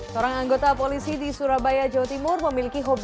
seorang anggota polisi di surabaya jawa timur memiliki hobi